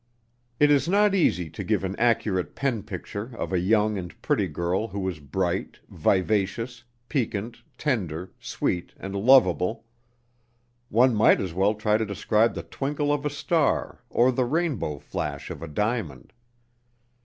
It is not easy to give an accurate pen picture of a young and pretty girl who is bright, vivacious, piquant, tender, sweet and lovable. One might as well try to describe the twinkle of a star or the rainbow flash of a diamond.